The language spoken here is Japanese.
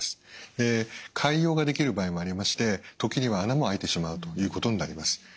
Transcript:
で潰瘍ができる場合もありまして時には穴も開いてしまうということになります。